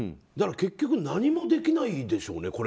結局、何もできないでしょうね